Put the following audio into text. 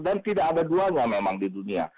dan tidak ada duanya memang di dunia